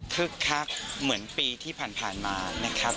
คึกคักเหมือนปีที่ผ่านมานะครับ